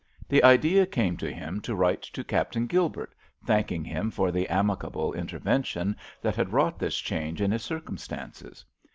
The idea came to him to write to Captain Gilbert, thanking him for the amicable intervention that had wrought this change in his circumstances.